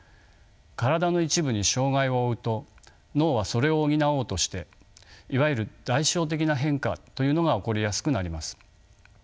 体の一部に障がいを負うと脳はそれを補おうとしていわゆる代償的な変化というのが起こりやすくなります。